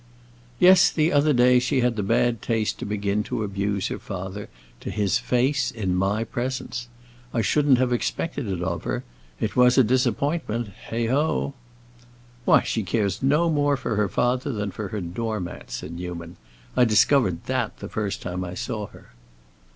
"Yes; the other day she had the bad taste to begin to abuse her father, to his face, in my presence. I shouldn't have expected it of her; it was a disappointment; heigho!" "Why, she cares no more for her father than for her door mat," said Newman. "I discovered that the first time I saw her."